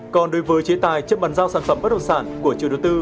còn đối với chế tài chấp bằng giao sản phẩm bất động sản của chủ đầu tư